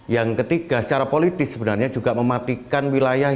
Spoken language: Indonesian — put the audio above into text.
yang ketiga secara politis sebenarnya juga mematikan wilayah